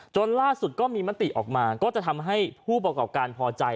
ล่าสุดก็มีมติออกมาก็จะทำให้ผู้ประกอบการพอใจ